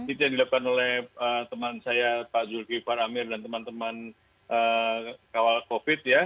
itu yang dilakukan oleh teman saya pak zulkif far amir dan teman teman kawal covid ya